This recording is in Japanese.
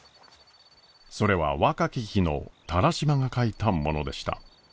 それは若き日の田良島が書いたものでした。